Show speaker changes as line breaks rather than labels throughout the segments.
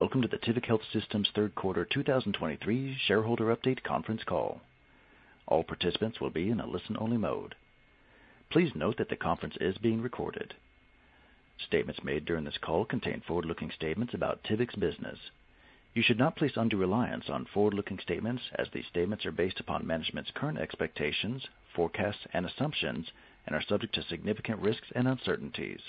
Welcome to the Tivic Health Systems third quarter 2023 shareholder update conference call. All participants will be in a listen-only mode. Please note that the conference is being recorded. Statements made during this call contain forward-looking statements about Tivic's business. You should not place undue reliance on forward-looking statements, as these statements are based upon management's current expectations, forecasts, and assumptions and are subject to significant risks and uncertainties.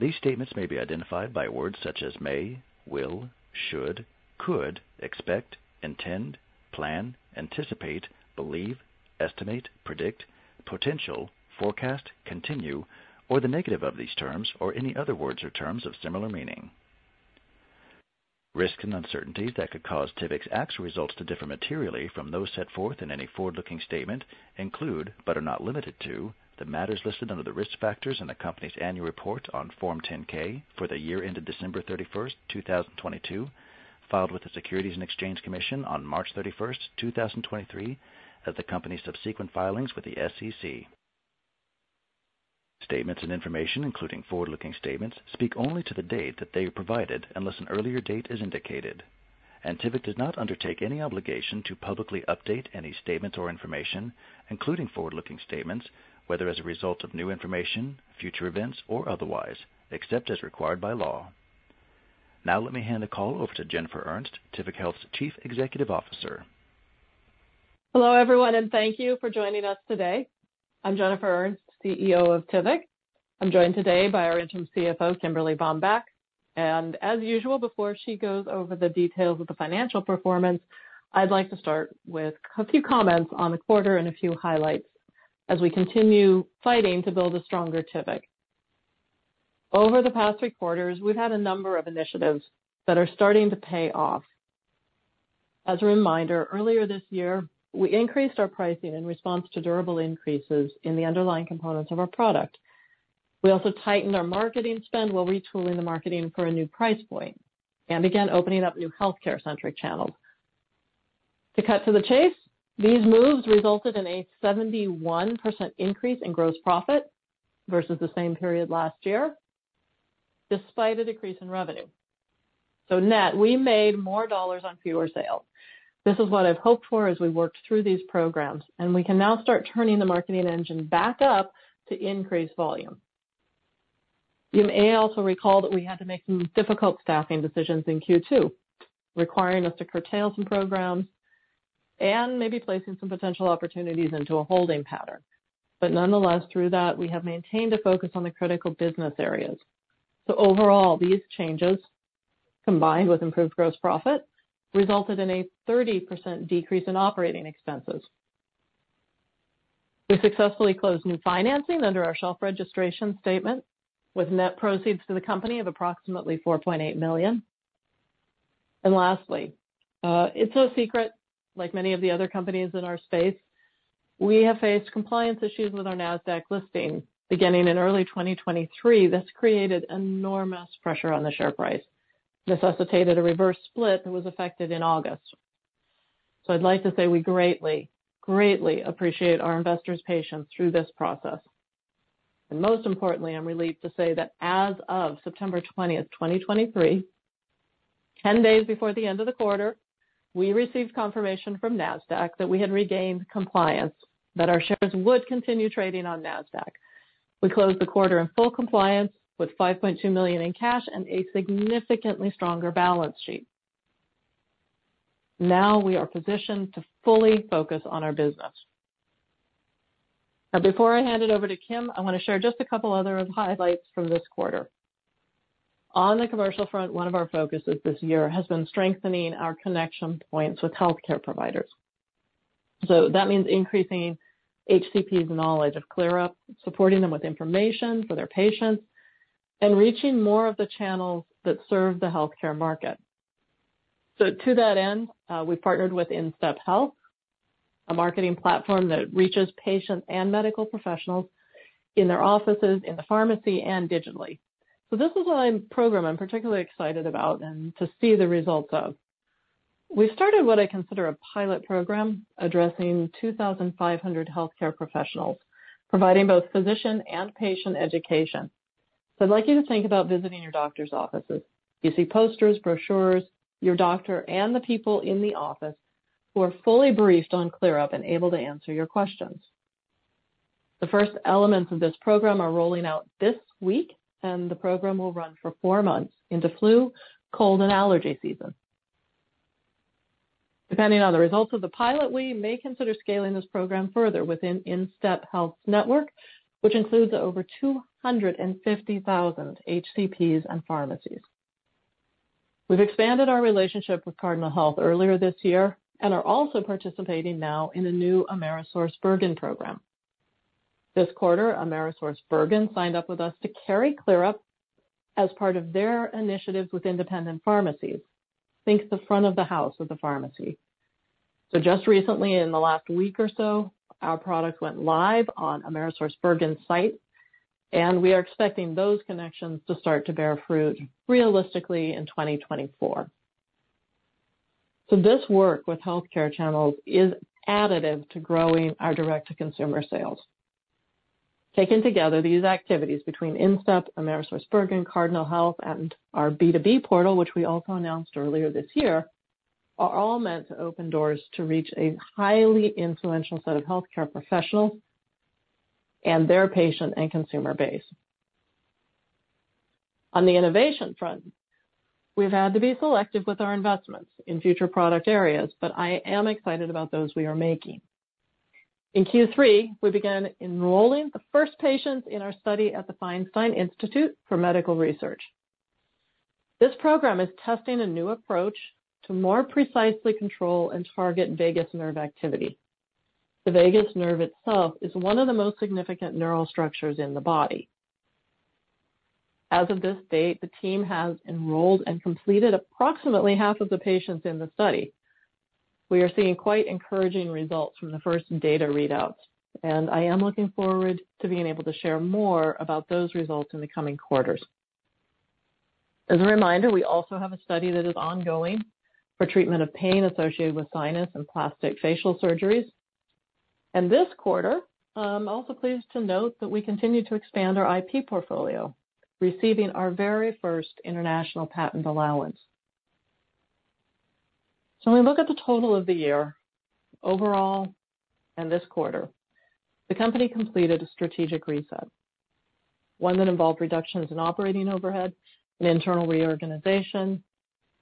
These statements may be identified by words such as may, will, should, could, expect, intend, plan, anticipate, believe, estimate, predict, potential, forecast, continue, or the negative of these terms, or any other words or terms of similar meaning. Risks and uncertainties that could cause Tivic's actual results to differ materially from those set forth in any forward-looking statement include, but are not limited to, the matters listed under the Risk Factors in the company's annual report on Form 10-K for the year ended December 31, 2022, filed with the Securities and Exchange Commission on March 31, 2023, as the company's subsequent filings with the SEC. Statements and information, including forward-looking statements, speak only to the date that they are provided, unless an earlier date is indicated, and Tivic does not undertake any obligation to publicly update any statements or information, including forward-looking statements, whether as a result of new information, future events, or otherwise, except as required by law. Now, let me hand the call over to Jennifer Ernst, Tivic Health's Chief Executive Officer.
Hello, everyone, and thank you for joining us today. I'm Jennifer Ernst, CEO of Tivic. I'm joined today by our interim CFO, Kimberly Bambach, and as usual, before she goes over the details of the financial performance, I'd like to start with a few comments on the quarter and a few highlights as we continue fighting to build a stronger Tivic. Over the past three quarters, we've had a number of initiatives that are starting to pay off. As a reminder, earlier this year, we increased our pricing in response to durable increases in the underlying components of our product. We also tightened our marketing spend while retooling the marketing for a new price point and began opening up new healthcare-centric channels. To cut to the chase, these moves resulted in a 71% increase in gross profit versus the same period last year, despite a decrease in revenue. So net, we made more dollars on fewer sales. This is what I've hoped for as we worked through these programs, and we can now start turning the marketing engine back up to increase volume. You may also recall that we had to make some difficult staffing decisions in Q2, requiring us to curtail some programs and maybe placing some potential opportunities into a holding pattern. But nonetheless, through that, we have maintained a focus on the critical business areas. So overall, these changes, combined with improved gross profit, resulted in a 30% decrease in operating expenses. We successfully closed new financing under our shelf registration statement, with net proceeds to the company of approximately $4.8 million. And lastly, it's no secret, like many of the other companies in our space, we have faced compliance issues with our Nasdaq listing beginning in early 2023. This created enormous pressure on the share price, necessitated a reverse split that was effected in August. So I'd like to say we greatly, greatly appreciate our investors' patience through this process. And most importantly, I'm relieved to say that as of September 20, 2023, 10 days before the end of the quarter, we received confirmation from Nasdaq that we had regained compliance, that our shares would continue trading on Nasdaq. We closed the quarter in full compliance with $5.2 million in cash and a significantly stronger balance sheet. Now we are positioned to fully focus on our business. Now, before I hand it over to Kim, I want to share just a couple other highlights from this quarter. On the commercial front, one of our focuses this year has been strengthening our connection points with healthcare providers. So that means increasing HCPs' knowledge of ClearUP, supporting them with information for their patients, and reaching more of the channels that serve the healthcare market. To that end, we partnered with InStep Health, a marketing platform that reaches patients and medical professionals in their offices, in the pharmacy, and digitally. This is a program I'm particularly excited about and to see the results of. We started what I consider a pilot program addressing 2,500 healthcare professionals, providing both physician and patient education. I'd like you to think about visiting your doctor's offices. You see posters, brochures, your doctor, and the people in the office who are fully briefed on ClearUP and able to answer your questions. The first elements of this program are rolling out this week, and the program will run for four months into flu, cold, and allergy season. Depending on the results of the pilot, we may consider scaling this program further within InStep Health network, which includes over 250,000 HCPs and pharmacies. We've expanded our relationship with Cardinal Health earlier this year and are also participating now in a new AmerisourceBergen program. This quarter, AmerisourceBergen signed up with us to carry ClearUP as part of their initiatives with independent pharmacies. Think the front of the house of the pharmacy. So just recently, in the last week or so, our product went live on AmerisourceBergen's site, and we are expecting those connections to start to bear fruit realistically in 2024.... So this work with healthcare channels is additive to growing our direct-to-consumer sales. Taken together, these activities between InStep, AmerisourceBergen, Cardinal Health, and our B2B portal, which we also announced earlier this year, are all meant to open doors to reach a highly influential set of healthcare professionals and their patient and consumer base. On the innovation front, we've had to be selective with our investments in future product areas, but I am excited about those we are making. In Q3, we began enrolling the first patients in our study at The Feinstein Institutes for Medical Research. This program is testing a new approach to more precisely control and target vagus nerve activity. The vagus nerve itself is one of the most significant neural structures in the body. As of this date, the team has enrolled and completed approximately half of the patients in the study. We are seeing quite encouraging results from the first data readouts, and I am looking forward to being able to share more about those results in the coming quarters. As a reminder, we also have a study that is ongoing for treatment of pain associated with sinus and facial plastic surgeries. This quarter, I'm also pleased to note that we continue to expand our IP portfolio, receiving our very first international patent allowance. When we look at the total of the year, overall and this quarter, the company completed a strategic reset, one that involved reductions in operating overhead, an internal reorganization,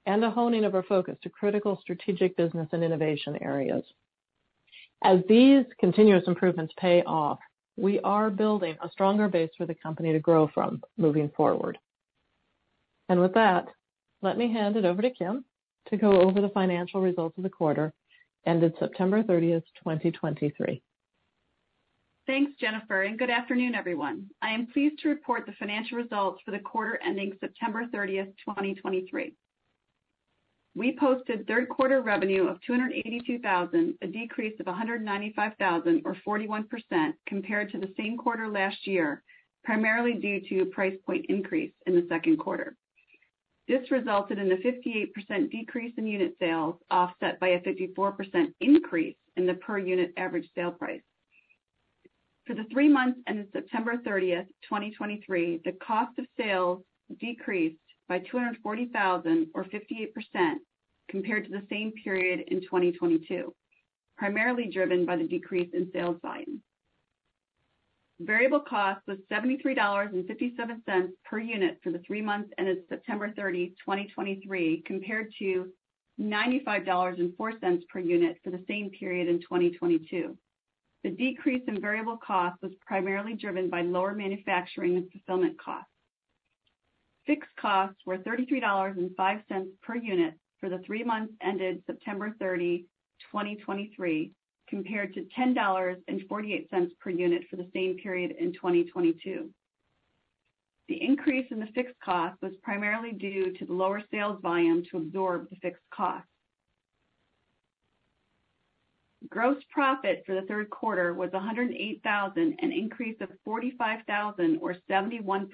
and a honing of our focus to critical strategic business and innovation areas. As these continuous improvements pay off, we are building a stronger base for the company to grow from moving forward. With that, let me hand it over to Kim to go over the financial results of the quarter ended September 30th, 2023.
Thanks, Jennifer, and good afternoon, everyone. I am pleased to report the financial results for the quarter ending September 30, 2023. We posted third quarter revenue of $282,000, a decrease of $195,000, or 41%, compared to the same quarter last year, primarily due to a price point increase in the second quarter. This resulted in a 58% decrease in unit sales, offset by a 54% increase in the per unit average sale price. For the three months ending September 30, 2023, the cost of sales decreased by $240,000, or 58%, compared to the same period in 2022, primarily driven by the decrease in sales volume. Variable cost was $73.57 per unit for the three months ended September 30, 2023, compared to $95.04 per unit for the same period in 2022. The decrease in variable cost was primarily driven by lower manufacturing and fulfillment costs. Fixed costs were $33.05 per unit for the three months ended September 30, 2023, compared to $10.48 per unit for the same period in 2022. The increase in the fixed cost was primarily due to the lower sales volume to absorb the fixed costs. Gross profit for the third quarter was $108,000, an increase of $45,000, or 71%,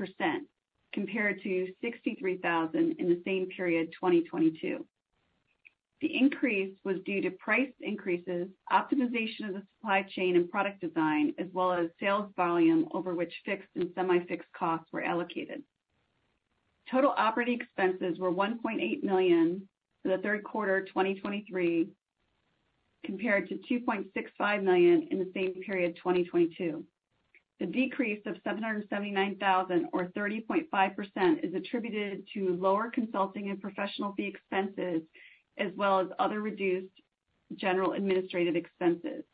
compared to $63,000 in the same period, 2022. The increase was due to price increases, optimization of the supply chain and product design, as well as sales volume over which fixed and semi-fixed costs were allocated. Total operating expenses were $1.8 million for the third quarter 2023, compared to $2.65 million in the same period 2022. The decrease of $779,000, or 30.5%, is attributed to lower consulting and professional fee expenses, as well as other reduced general administrative expenses.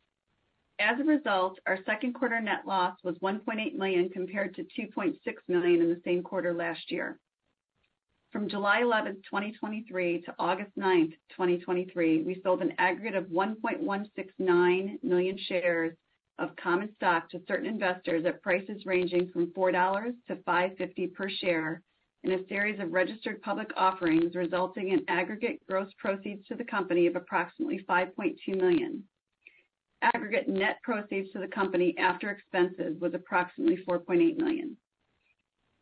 As a result, our second quarter net loss was $1.8 million, compared to $2.6 million in the same quarter last year. From July eleventh, 2023, to August ninth, 2023, we sold an aggregate of 1.169 million shares of common stock to certain investors at prices ranging from $4-$5.50 per share in a series of registered public offerings, resulting in aggregate gross proceeds to the company of approximately $5.2 million. Aggregate net proceeds to the company after expenses was approximately $4.8 million.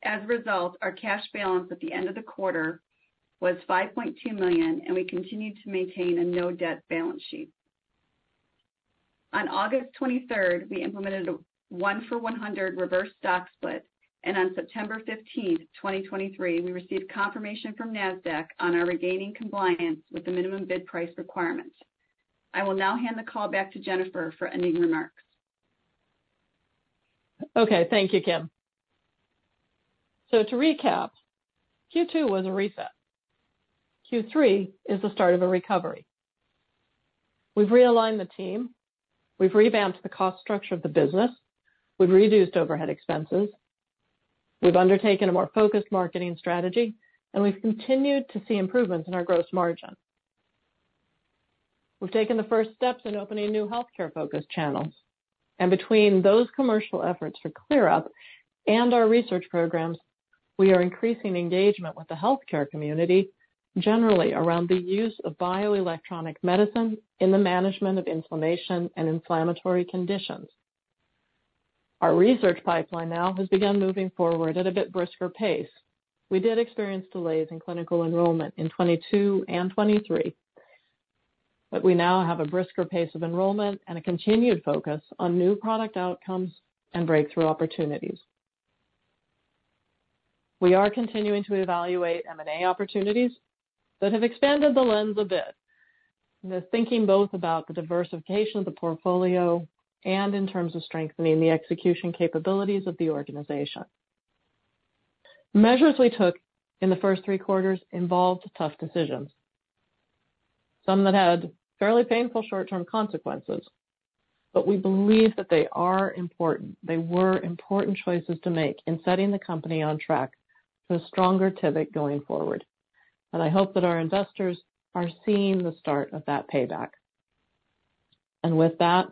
As a result, our cash balance at the end of the quarter was $5.2 million, and we continued to maintain a no-debt balance sheet. On August twenty-third, we implemented a 1-for-100 reverse stock split, and on September fifteenth, 2023, we received confirmation from Nasdaq on our regaining compliance with the minimum bid price requirements. I will now hand the call back to Jennifer for any remarks.
Okay. Thank you, Kim. So to recap, Q2 was a reset. Q3 is the start of a recovery. We've realigned the team, we've revamped the cost structure of the business, we've reduced overhead expenses, we've undertaken a more focused marketing strategy, and we've continued to see improvements in our gross margin. We've taken the first steps in opening new healthcare-focused channels, and between those commercial efforts for ClearUP and our research programs, we are increasing engagement with the healthcare community generally around the use of bioelectronic medicine in the management of inflammation and inflammatory conditions. Our research pipeline now has begun moving forward at a bit brisker pace. We did experience delays in clinical enrollment in 2022 and 2023, but we now have a brisker pace of enrollment and a continued focus on new product outcomes and breakthrough opportunities. We are continuing to evaluate M&A opportunities that have expanded the lens a bit, the thinking both about the diversification of the portfolio and in terms of strengthening the execution capabilities of the organization. Measures we took in the first three quarters involved tough decisions, some that had fairly painful short-term consequences, but we believe that they are important, they were important choices to make in setting the company on track to a stronger Tivic going forward, and I hope that our investors are seeing the start of that payback. With that,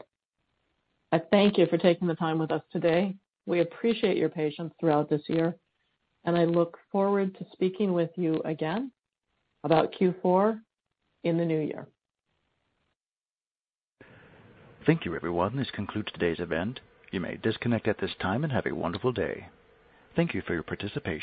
I thank you for taking the time with us today. We appreciate your patience throughout this year, and I look forward to speaking with you again about Q4 in the new year.
Thank you, everyone. This concludes today's event. You may disconnect at this time, and have a wonderful day. Thank you for your participation.